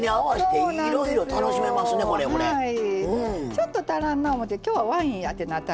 ちょっと足らんなって思て「今日はワインやってなったらね